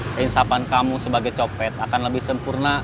keinsapan kamu sebagai copet akan lebih sempurna